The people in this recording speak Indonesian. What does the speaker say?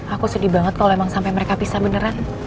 aku sedih banget kalo emang sampe mereka pisah beneran